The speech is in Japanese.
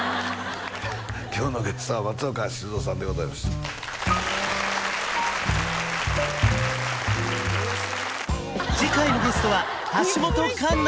今日のゲストは松岡修造さんでございました次回のゲストは橋本環奈